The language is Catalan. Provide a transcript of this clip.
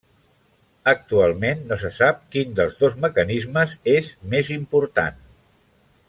Actualment no se sap quin dels dos mecanismes és més important.